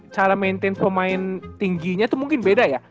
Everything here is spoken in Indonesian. cara maintenance pemain tingginya tuh mungkin beda ya